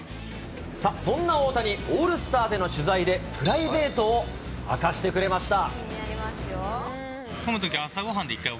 そんな大谷、オールスターでの取材で、プライベートを明かしてくれました。